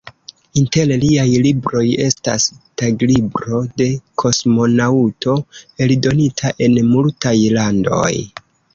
Inter liaj libroj estas "Taglibro de kosmonaŭto", eldonita en multaj landoj.